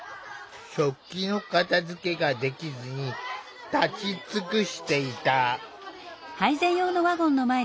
食器の片づけができずに立ち尽くしていた。